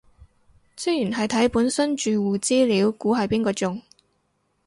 職員係睇本身住戶資料估係邊個中